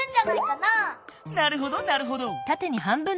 なるほどなるほど。